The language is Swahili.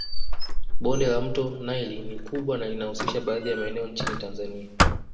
Bonde la mto naili ni kubwa na linahusisha baadhi ya maeneo nchini Tanzania